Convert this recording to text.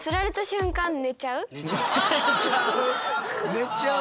寝ちゃう？